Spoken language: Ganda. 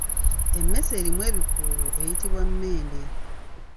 Emmese erimu ebikuubo eyitibwa mmende.